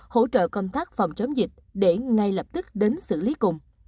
hỗ trợ công tác phòng chống dịch để ngay lập tức đến xử lý cùng